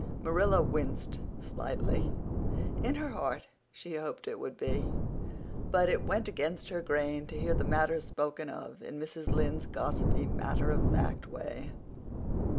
Marilla winced slightly. In her heart she hoped it would, but it went against her grain to hear the matter spoken of in Mrs. Lynde's gossipy matter of fact way.